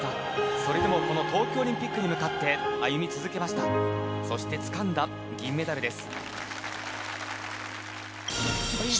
それでもこの東京オリンピックに向かって歩み続けましたそしてつかんだ銀メダルです